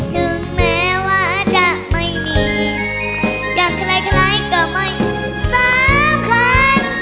ถึงแม้ว่าจะไม่มีอย่างใครก็ไม่สำคัญ